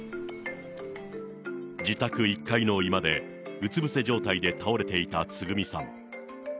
自宅１階の居間で、うつ伏せ状態で倒れていたつぐみさん。